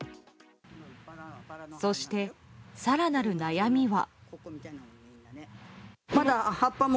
そして、更なる悩みは。